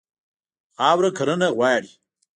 خاوره کرنه غواړي.